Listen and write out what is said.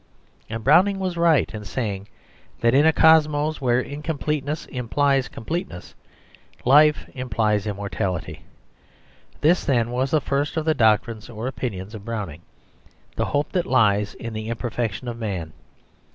And Browning was right in saying that in a cosmos where incompleteness implies completeness, life implies immortality. This then was the first of the doctrines or opinions of Browning: the hope that lies in the imperfection of man.